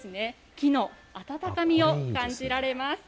木の温かみを感じられます。